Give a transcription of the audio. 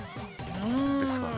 ですかね？